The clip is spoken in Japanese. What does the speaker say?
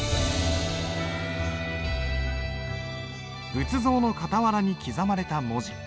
仏像の傍らに刻まれた文字。